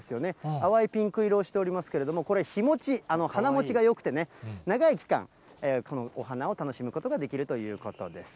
淡いピンク色をしておりますけれども、これ、日持ち、花もちがよくてね、長い期間、このお花を楽しむことができるということです。